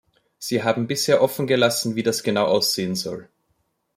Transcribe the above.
Sie haben bisher offengelassen, wie das genau aussehen soll.